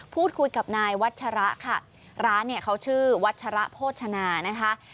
พูดคุยกับนายวัชระค่ะร้านเนี่ยเขาชื่อวัชระโภชนานะคะ